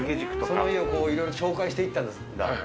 そういう家をいろいろ紹介していったんだ。